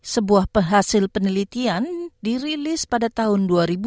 sebuah penghasil penelitian dirilis pada tahun dua ribu dua